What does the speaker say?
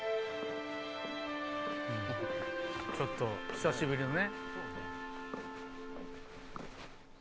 ちょっと久しぶりのね。